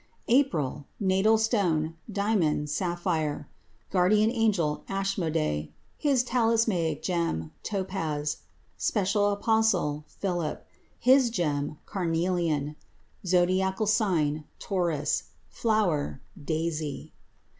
APRIL Natal stone Diamond, sapphire. Guardian angel Ashmodei. His talismanic gem Topaz. Special apostle Philip. His gem Carnelian. Zodiacal sign Taurus. Flower Daisy.